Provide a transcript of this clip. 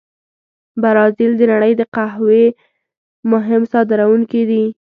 برازیل د نړۍ د قهوې مهم صادرونکي دي.